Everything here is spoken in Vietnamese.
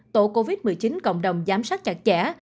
tổ covid một mươi chín cộng đồng giám sát chặt chẽ